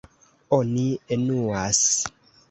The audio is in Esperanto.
Oni enuas.